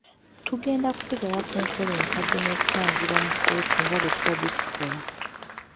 Tugenda kusigala ku nkola enkadde n’okutanzibwa mu kkooti nga bwe tubadde tukola.